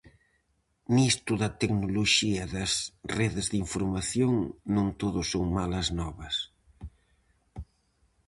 Nisto da tecnoloxía e das redes da información, non todo son malas novas.